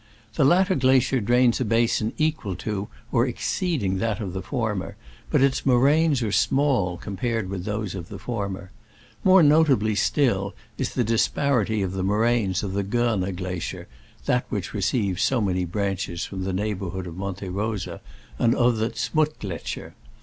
The latter glacier drains a basin equal to or exceeding that of the former, but its moraines are small compared with those of the former. More notable still is the disparity of the moraines of the Corner glacier (that which receives so many branches from the neighborhood of Monte Rosa) and of the Z'Muttgletscher.